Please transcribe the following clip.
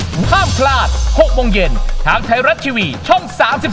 ห้ามพลาด๖โมงเย็นทางไทยรัฐทีวีช่อง๓๒